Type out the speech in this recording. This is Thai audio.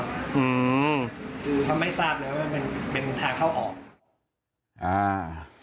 คือถ้าไม่ทราบมันเป็นทางเข้าออก